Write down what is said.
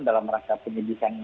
dalam rangka penyidikan